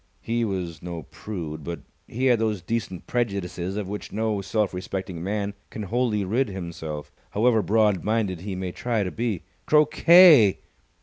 He was no prude, but he had those decent prejudices of which no self respecting man can wholly rid himself, however broad minded he may try to be. "Croquet!"